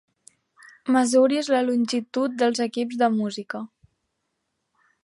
Mesuris la longitud dels equips de música.